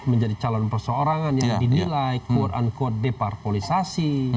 menjadi calon perseorangan yang didilai quote unquote deparkolisasi